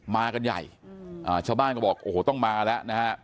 มากันใหญ่ชาวบ้านก็บอกโอ้โหต้องมาแล้วนะฮะ